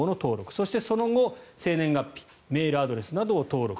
そして、その後、生年月日メールアドレスなどを登録。